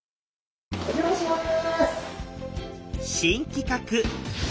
お邪魔します。